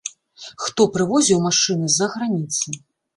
Хто прывозіў машыны з-за граніцы?